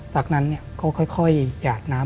จากนั้นก็ค่อยหยาดน้ำ